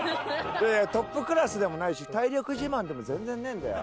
トップクラスでもないし体力自慢でも全然ねえんだよ。